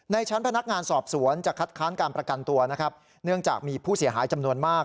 ชั้นพนักงานสอบสวนจะคัดค้านการประกันตัวนะครับเนื่องจากมีผู้เสียหายจำนวนมาก